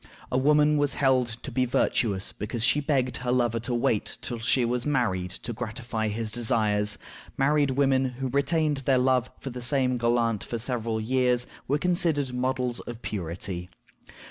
A woman was held to be virtuous because she begged her lover to wait till she was married to gratify his desires; married women who retained their love for the same galant for several years were considered models of purity.